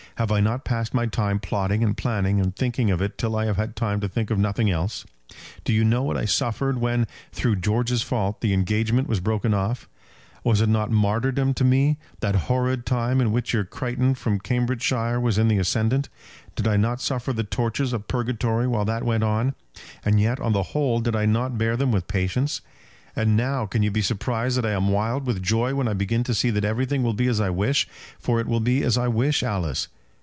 Have I not passed my time plotting and planning and thinking of it till I have had time to think of nothing else? Do you know what I suffered when, through George's fault, the engagement was broken off? Was it not martyrdom to me, that horrid time in which your Crichton from Cambridgeshire was in the ascendant? Did I not suffer the tortures of purgatory while that went on; and yet, on the whole, did I not bear them with patience? And, now, can you be surprised that I am wild with joy when I begin to see that everything will be as I wish; for it will be as I wish, Alice.